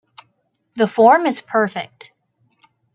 The form is perfect.